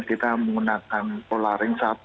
kita menggunakan pola ring satu